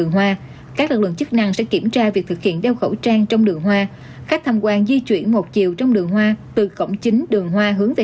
hãy đăng ký kênh để ủng hộ kênh của mình nhé